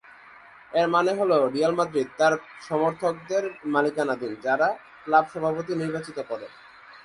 এর মানে হল রিয়াল মাদ্রিদ তার সমর্থকদের মালিকানাধীন যারা ক্লাব সভাপতি নির্বাচিত করে।